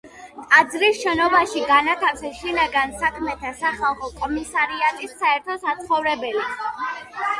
ტაძრის შენობაში განათავსეს შინაგან საქმეთა სახალხო კომისარიატის საერთო საცხოვრებელი.